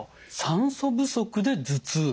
酸素不足で頭痛。